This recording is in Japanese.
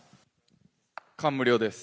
感無量です。